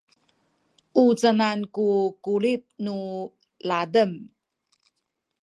u canan ku kulit nu ladem?